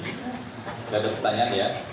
tidak ada pertanyaan ya